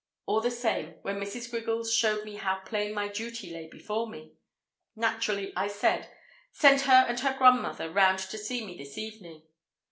All the same, when Mrs. Griggles showed me how plain my duty lay before me, naturally I said: "Send her and her grandmother round to see me this evening."